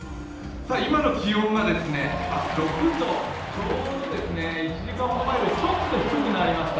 今の気温が６度、ちょうど１時間前ほどよりちょっと低くなりました。